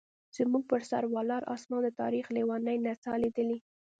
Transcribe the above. زموږ پر سر ولاړ اسمان د تاریخ لیونۍ نڅا لیدلې.